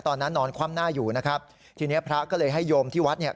นอนคว่ำหน้าอยู่นะครับทีนี้พระก็เลยให้โยมที่วัดเนี่ย